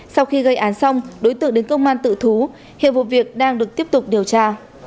sau khi gây án xong đối tượng đến công an tự thú hiện vụ việc đang được tiếp tục điều tra